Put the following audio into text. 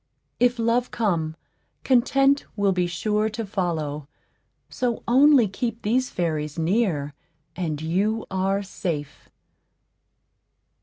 If Love come, Content will be sure to follow; so only keep these fairies near, and you are safe.